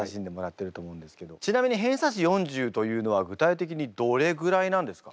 ちなみに偏差値４０というのは具体的にどれぐらいなんですか？